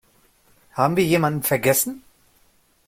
Haben wir jemanden vergessen?